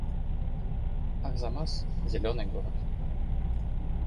Арзамас — зелёный город